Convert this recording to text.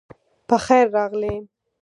پخیر راغلی